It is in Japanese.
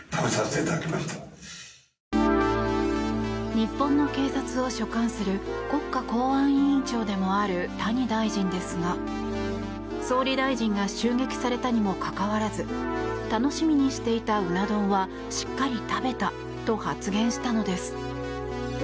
日本の警察を所管する国家公安委員長でもある谷大臣ですが総理大臣が襲撃されたにもかかわらず楽しみにしていたうな丼はしっかり食べたと発言したのです。